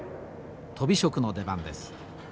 とび職の出番です。